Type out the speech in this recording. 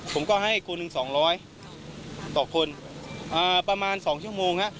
ผมก็ให้คนหนึ่ง๒๐๐ต่อคนประมาณ๒ชั่วโมงฮะ